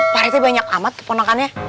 pak rt banyak amat keponakannya